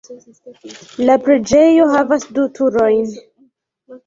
La preĝejo havas du turojn.